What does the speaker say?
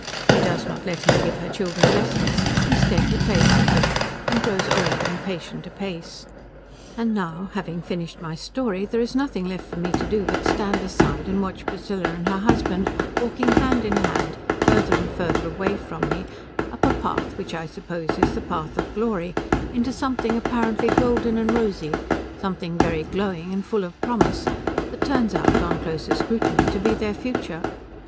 She does not let him give her children lessons; instead he plays with them, and grows old and patient apace. And now having finished my story, there is nothing left for me to do but stand aside and watch Priscilla and her husband walking hand in hand farther and farther away from me up a path which I suppose is the path of glory, into something apparently golden and rosy, something very glowing and full of promise, that turns out on closer scrutiny to be their future.